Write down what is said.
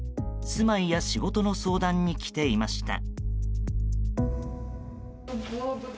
住まいや仕事の相談に来ていました。